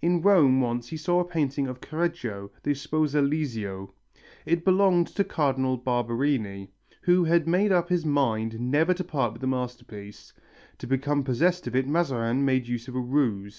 In Rome once he saw a painting of Correggio, the Sposalizio. It belonged to Cardinal Barberini, who had made up his mind never to part with the masterpiece. To become possessed of it Mazarin made use of a ruse.